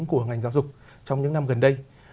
của ngành giáo dục trong những năm gần đây